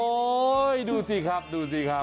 ดูสิครับดูสิครับ